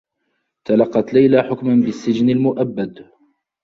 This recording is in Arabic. تلقّت ليلى حكما بالسّجن المؤبّد.